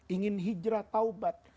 ingin hijrah taubat